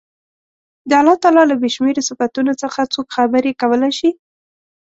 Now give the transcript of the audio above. د الله تعالی له بې شمېرو صفتونو څخه څوک خبرې کولای شي.